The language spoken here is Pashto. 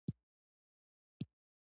آیا پوهنتونونه څیړنې کوي؟